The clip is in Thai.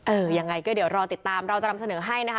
ยังไงก็เดี๋ยวรอติดตามเราจะนำเสนอให้นะคะ